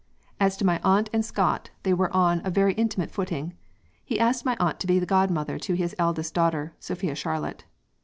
"As to my aunt and Scott, they were on a very intimate footing. He asked my aunt to be godmother to his eldest daughter Sophia Charlotte.